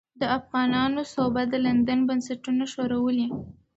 د افغانانو سوبه د لندن بنسټونه ښورولې.